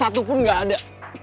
satupun gak ada